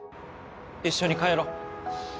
一緒に帰ろう。